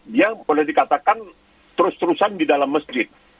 dia boleh dikatakan terus terusan di dalam masjid